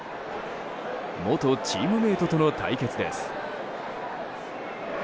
元チームメートとの対決です。